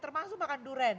termasuk makan durian